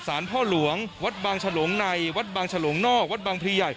พ่อหลวงวัดบางฉลงในวัดบางฉลงนอกวัดบางพลีใหญ่